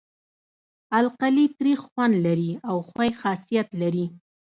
القلي تریخ خوند لري او ښوی خاصیت لري.